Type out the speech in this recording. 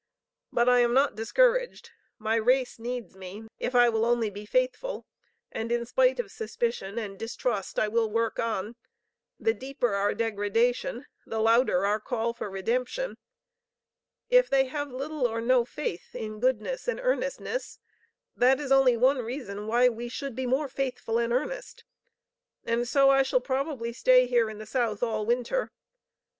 But I am not discouraged, my race needs me, if I will only be faithful, and in spite of suspicion and distrust, I will work on; the deeper our degradation, the louder our call for redemption. If they have little or no faith in goodness and earnestness, that is only one reason why we should be more faithful and earnest, and so I shall probably stay here in the South all winter.